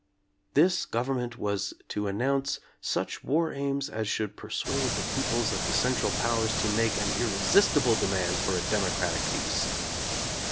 This government was to announce such war aims as should persuade the peoples of the Central Powers to make an irre sistible demand for a democratic peace.